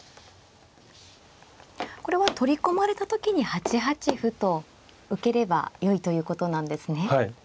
これは取り込まれた時に８八歩と受ければよいということなんですね。